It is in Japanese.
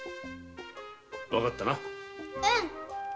わかったな？